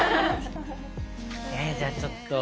えっじゃあちょっと。